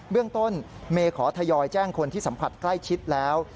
เรื่องต้นเมย์ขอทยอยแจ้งคนที่สัมผัสใกล้ชิดแล้ว